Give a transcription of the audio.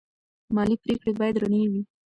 مالي پریکړې باید رڼې وي.